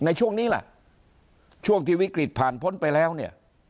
ในช่วงนี้ล่ะช่วงที่วิกฤตผ่านพ้นไปแล้วเนี่ย